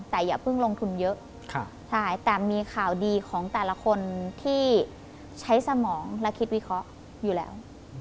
แต่อย่าเพิ่งลงทุนเยอะใช่แต่มีข่าวดีของแต่ละคนที่ใช้สมองและคิดวิเคราะห์อยู่แล้ว